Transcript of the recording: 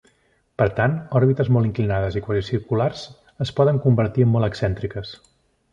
Per tant, òrbites molt inclinades i quasi circulars es poden convertir en molt excèntriques.